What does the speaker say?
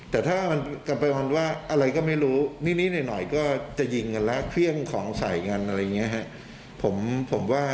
แต่ถ้ามันกลับไปมันว่าอะไรก็ไม่รู้นิดนิดหน่อยหน่อยก็จะยิงกันแล้ว